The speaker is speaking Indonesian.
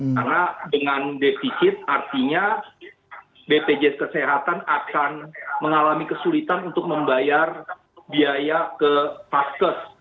karena dengan defisit artinya bpjs kesehatan akan mengalami kesulitan untuk membayar biaya ke paskes